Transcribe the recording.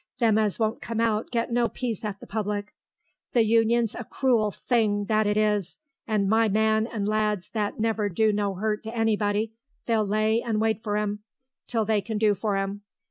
Them as won't come out get no peace at the public.... The Union's a cruel thing, that it is, and my man and lads that never do no 'urt to nobody, they'll lay and wait for 'em till they can do for 'em....